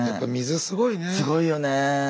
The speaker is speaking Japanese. すごいよね。